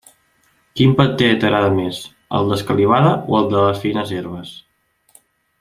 Quin paté t'agrada més, el d'escalivada o el de fines herbes?